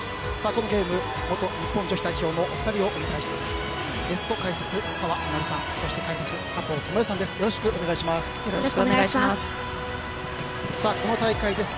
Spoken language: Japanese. このゲーム、元日本代表のお二人をお迎えしています。